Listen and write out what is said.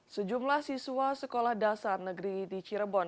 sejumlah siswa sekolah dasar negeri di cirebon